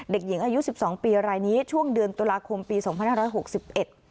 เด็กหญิงอายุ๑๒ปีรายนี้ช่วงเดือนตุลาคมปีของ๒๕๖๑